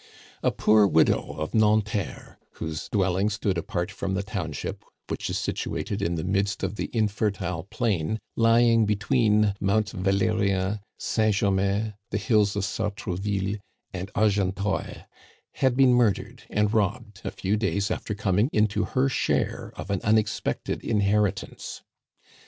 A poor widow of Nanterre, whose dwelling stood apart from the township, which is situated in the midst of the infertile plain lying between Mount Valerian, Saint Germain, the hills of Sartrouville, and Argenteuil, had been murdered and robbed a few days after coming into her share of an unexpected inheritance.